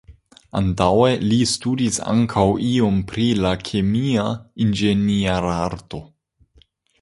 Antaŭe, li studis ankaŭ iom pri la Kemia Inĝenierarto.